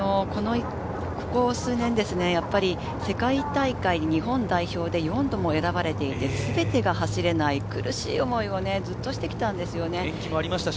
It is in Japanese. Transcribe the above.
ここ数年、世界大会に日本代表で４度も選ばれていて、すべてが走れない苦しい思いをずっとしてきたんですよね。